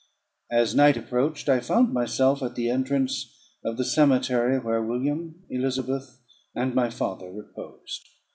As night approached, I found myself at the entrance of the cemetery where William, Elizabeth, and my father reposed.